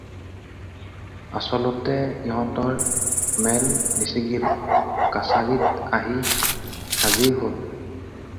আচলতে ইহঁতৰ মেল নিছিগিল, কাছাৰিত আহি হাজিৰ হ'ল।